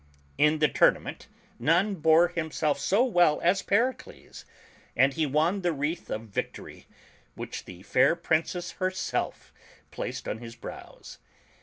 In the tournament none bore himself so well as Pericles, and he won the wreath of victory, which the fair Princess herself placed on his brows.